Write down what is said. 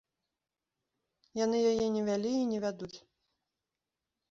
Яны яе не вялі і не вядуць.